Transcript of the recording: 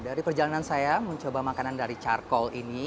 dari perjalanan saya mencoba makanan dari charcoal ini